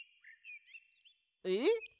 えっ？